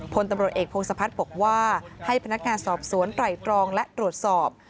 พลตำรวจเอกพงศพัฒน์บอกว่าให้พนักงานสอบสวนไตรตรองและตรวจสอบ